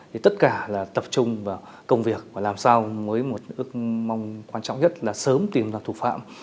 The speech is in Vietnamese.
thì tất cả là tập trung vào công việc và làm sao mới một ước mong quan trọng nhất là sớm tìm ra thủ phạm